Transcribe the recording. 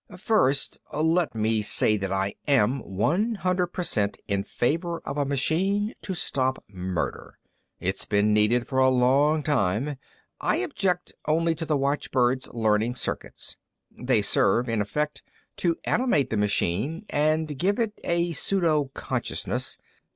"First, let me say that I am one hundred per cent in favor of a machine to stop murder. It's been needed for a long time. I object only to the watchbird's learning circuits. They serve, in effect, to animate the machine and give it a pseudo consciousness.